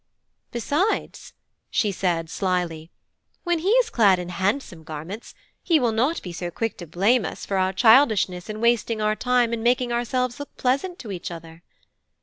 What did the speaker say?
Besides," she said slily, "when he is clad in handsome garments he will not be so quick to blame us for our childishness in wasting our time in making ourselves look pleasant to each other."